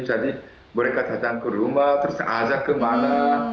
jadi mereka datang ke rumah terus ajak kemana